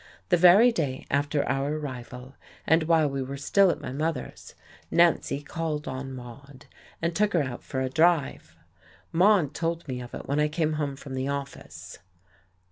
The very day after our arrival, and while we were still at my mother's, Nancy called on Maude, and took her out for a drive. Maude told me of it when I came home from the office.